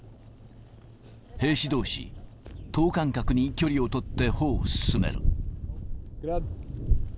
兵士どうし、等間隔に距離を取って歩を進める。